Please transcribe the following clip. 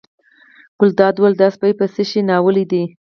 ګلداد وویل دا سپی په څه شي ناولی دی.